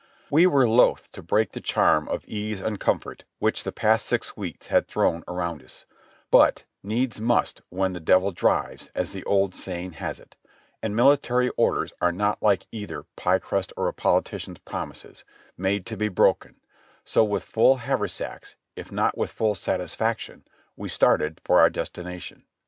r . t ■ i We were loath to break the charm of ease and comfort which the past six weeks had thrown around us, but "needs must when the Devil drives," as the old saying has it, and military orders are not like either pie crust or a politician's promises— made to be broken; so with full haversacks, if not with full satisfaction, we started for our destination.